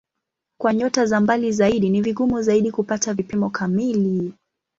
Kwa nyota za mbali zaidi ni vigumu zaidi kupata vipimo kamili.